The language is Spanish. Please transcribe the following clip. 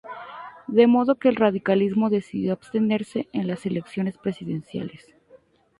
De modo que el radicalismo decidió abstenerse en las elecciones presidenciales.